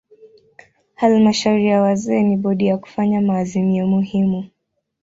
Halmashauri ya wazee ni bodi ya kufanya maazimio muhimu.